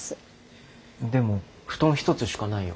でも布団一つしかないよ。